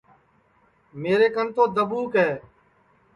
میرے کن تو دھٻوک ہے